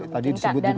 tadi disebut juga